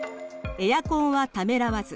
エアコンはためらわず。